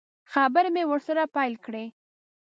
خبرې مې ورسره پیل کړې.